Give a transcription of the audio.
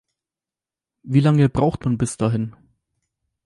Wie lange braucht man bis dahin?